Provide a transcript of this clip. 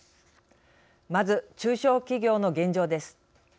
まず、中小企業の現状です。